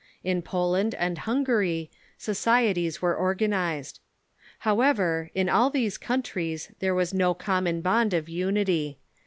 In Poland and Hungary societies were organized. However, in all these countries there was no common bond of unity.